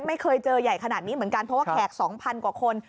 ไม่เคยเจอใหญ่ขนาดนี้เหมือนกันเพราะว่าแขก๒๐๐กว่าคน